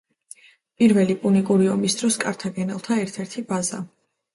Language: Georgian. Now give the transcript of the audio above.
პირველი პუნიკური ომის დროს კართაგენელთა ერთ-ერთი ბაზა.